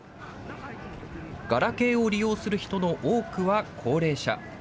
ガラケーを利用する人の多くは高齢者。